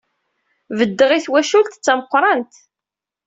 Beddeɣ i twacult d tameqrant.